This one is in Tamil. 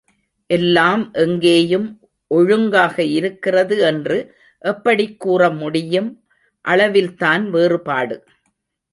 எல்லாம் எங்கேயும் ஒழுங்காக இருக்கிறது என்று எப்படிக் கூறமுடியும், அளவில்தான் வேறுபாடு.